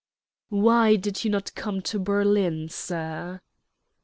"Why did you not come to Berlin, sir?"